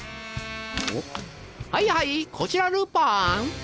はいはいこちらルパン。